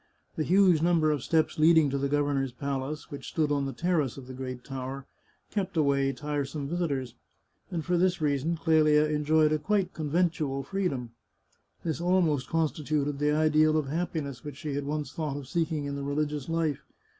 The huge num ber of steps leading to the governor's palace, which stood on the terrace of the great tower, kept away tiresome visitors, and for this reason Clelia enjoyed a quite conventual free dom. This almost constituted the ideal of happiness which she had once thought of seeking in the religious life.